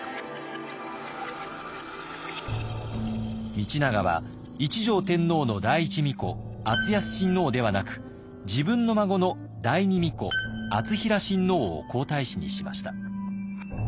道長は一条天皇の第一皇子敦康親王ではなく自分の孫の第二皇子敦成親王を皇太子にしました。